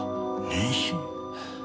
妊娠？